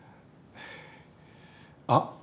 あっ！